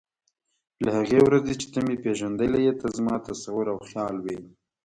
له هغې ورځې چې ته مې پېژندلی یې ته زما تصور او خیال وې.